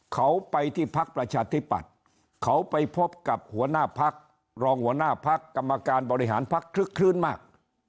เขาไปที่พักประชาธิปัตย์เขาไปพบกับหัวหน้าพักรองหัวหน้าพักกรรมการบริหารพักคลึกคลื้นมาก